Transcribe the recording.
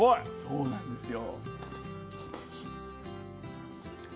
そうなんですよ。